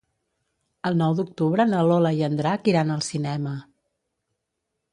El nou d'octubre na Lola i en Drac iran al cinema.